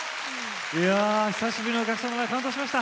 久しぶりのお客様で感動しました。